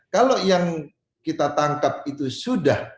kalau yang kita tangkap itu sudah